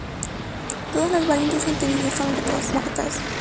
Todas las variantes anteriores son lenguas muertas.